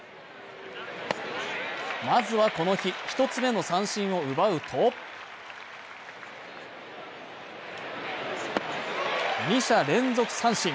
まずはこの日、一つ目の三振を奪うと２者連続三振。